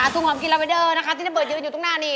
ถุงหอมกลิ่นลาเวนเดอร์ถุงน้ำเบิร์นเยอะอยู่ตรงหน้านี่